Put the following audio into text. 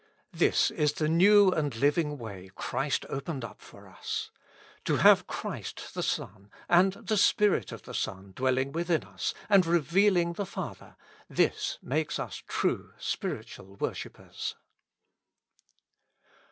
This is the new and living way Christ opened up for us. To have Christ the Son, and the Spirit of the Son, dwelling within us, and re vealing the Father, this makes us true, spiritual wor shippers.